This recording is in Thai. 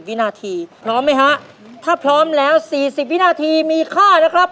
วินาทีพร้อมไหมฮะถ้าพร้อมแล้ว๔๐วินาทีมีค่านะครับ